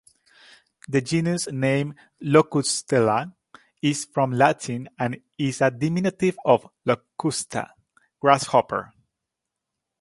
The genus name "Locustella" is from Latin and is a diminutive of "locusta", "grasshopper".